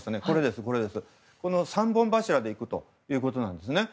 この三本柱でいくというんですね。